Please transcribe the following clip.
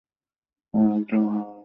আমরা অন্য একজনকে অপহরণ করতে গিয়েছিলাম।